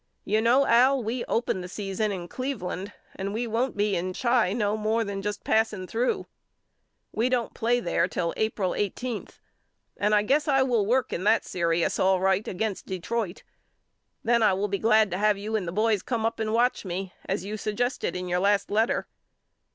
You know Al we open the season in Cleveland and we won't be in Chi no more than just passing through. We don't play there till April eight eenth and I guess I will work in that serious all right against Detroit. Then I will be glad to have you and the boys come up and watch me as you suggested in your last letter.